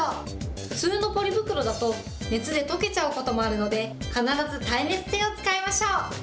普通のポリ袋だと、熱で溶けちゃうこともあるので、必ず耐熱性を使いましょう。